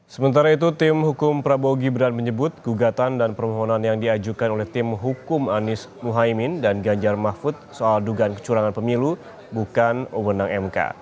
sementara itu tim hukum prabowo gibran menyebut gugatan dan permohonan yang diajukan oleh tim hukum anies mohaimin dan ganjar mahfud soal dugaan kecurangan pemilu bukan wewenang mk